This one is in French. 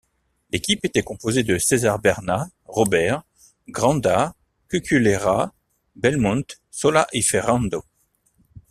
L'équipe était composée de César Bernat, Robert, Granda, Cucullera, Bellmunt, Solà y Ferrando.